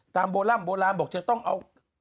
ตามโบราณโบราณบอกจะต้องเอา